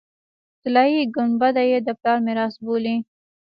طلایي ګنبده یې د پلار میراث بولي.